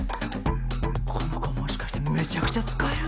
この子もしかしてめちゃくちゃ使える？